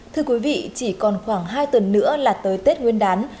thưa quý vị chỉ còn khoảng hai tuần nữa là tới tết nguyên đán